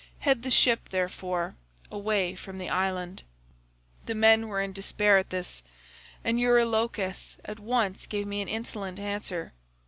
Head the ship, therefore, away from the island.' "The men were in despair at this, and Eurylochus at once gave me an insolent answer.